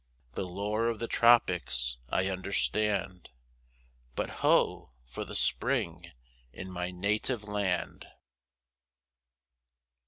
The lure of the tropics I understand, But ho! for the Spring in my native land.